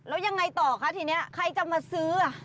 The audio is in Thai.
แล้วยังไงต่อคะทีนี้ใครจะมาซื้อ